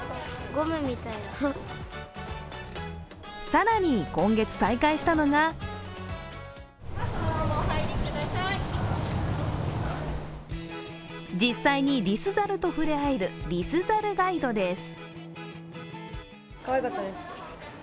更に、今月再開したのが実際にリスザルと触れ合えるリスザルガイドです。